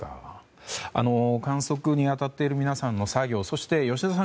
観測に当たっている皆さんの作業そして吉田さん